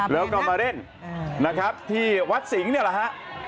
แล้วก็มาเล่นที่วัดสิงห์นี่แหละ